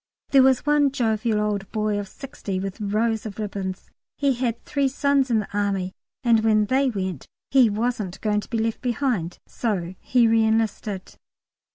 There was one jovial old boy of 60 with rows of ribbons. He had three sons in the Army, and when they went "he wasn't going to be left behind," so he re enlisted.